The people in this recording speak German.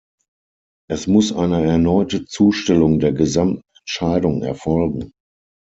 Es muss eine erneute Zustellung der gesamten Entscheidung erfolgen.